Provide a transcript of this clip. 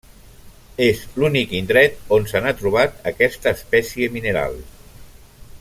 És l'únic indret on se n'ha trobat aquesta espècie mineral.